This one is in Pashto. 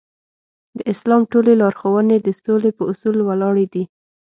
د اسلام ټولې لارښوونې د سولې په اصول ولاړې دي.